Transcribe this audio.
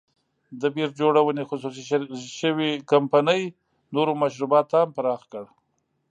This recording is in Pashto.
د بیر جوړونې خصوصي شوې کمپنۍ نورو مشروباتو ته هم پراخ کړ.